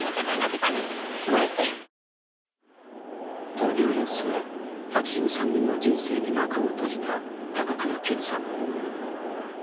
闘病の末、８３年の人生に幕を閉じた高倉健さん。